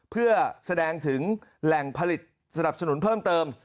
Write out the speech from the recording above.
เพื่อแสดงถึงแหล่งผลิตสนับสนุนเพิ่มเติม